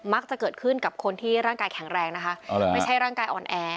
จะเกิดขึ้นกับคนที่ร่างกายแข็งแรงนะคะไม่ใช่ร่างกายอ่อนแอ